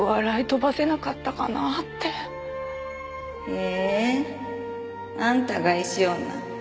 へえあんたが石女。